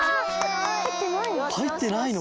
はいってないの？